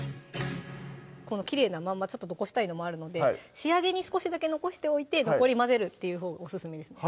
このきれいなまんまちょっと残したいのもあるので仕上げに少しだけ残しておいて残り混ぜるっていうほうがオススメですね